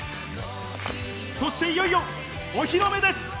そしていよいよお披露目です！